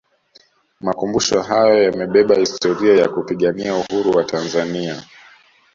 makumbusho hayo yamebeba historia ya kupigania Uhuru wa tanzania